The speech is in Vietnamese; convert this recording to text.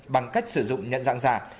bằng cách sử dụng nhận dạng giả